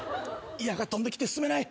矢が飛んできて進めない。